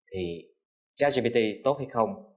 thì trái cpt tốt hay không